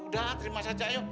udah terima saja yuk